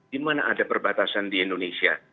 di mana ada perbatasan di indonesia